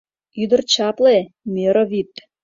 Ӱдыр чапле — мӧрӧ вӱд